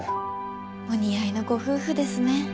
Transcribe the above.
お似合いのご夫婦ですね。